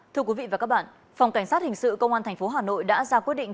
thưa quý vị và các bạn phòng cảnh sát hình sự công an tp hà nội đã ra quyết định